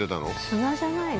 砂じゃないの？